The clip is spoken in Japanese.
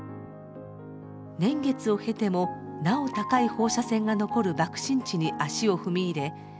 年月を経てもなお高い放射線が残る爆心地に足を踏み入れ